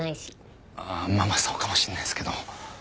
まあまあそうかもしれないですけど。